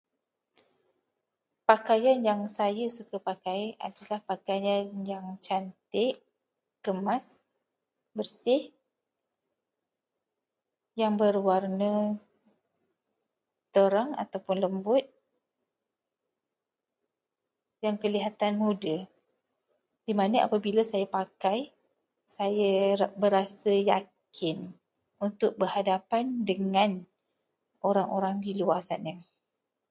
Pakaian yang saya suka pakai ialah pakaian yang cantik, kemas, bersih, yang berwarna terang ataupun lembut dan kelihatan muda. Di mana apabila saya pakai, saya berasa yakin untuk berhadapan dengan orang-orang di luar sana.